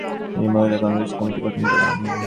তিনি মহিলা কংগ্রেস কমিটি গঠন করেন।